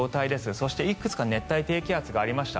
そしていくつか熱帯低気圧がありました